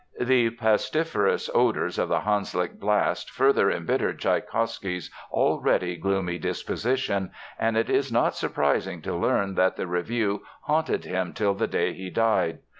The pestiferous odors of the Hanslick blast further embittered Tschaikowsky's already gloomy disposition, and it is not surprising to learn that the review haunted him till the day he died.